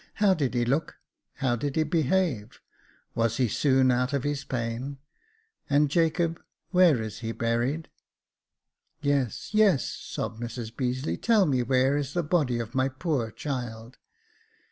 How did he look .'' How did he behave ? Was he soon out of his pain ? And — Jacob — where is he buried ?" "Yes, yesj" sobbed Mrs Beazeley; "tell me where is the body of my poor child."